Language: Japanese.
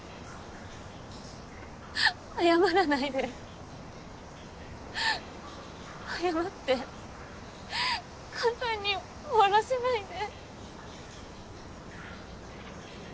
謝らないで謝って簡単に終わらせないで。